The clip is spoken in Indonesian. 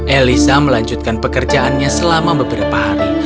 elisa melanjutkan pekerjaannya selama beberapa hari